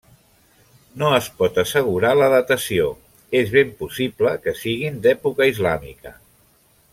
No es pot assegurar la datació; és ben possible que siguin d'època islàmica.